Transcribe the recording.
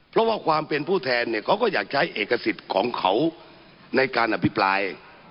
เพราะว่าความเป็นผู้แทนเนี่ยเขาก็อยากใช้เอกสิทธิ์ของเขาในการอภิปราย